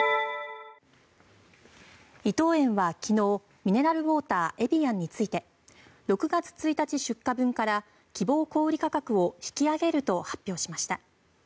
伊藤園は昨日ミネラルウォーターエビアンについて６月１日出荷分から希望小売価格を引き上げると発表しました。